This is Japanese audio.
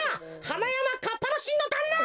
はなやまかっぱのしんのだんな！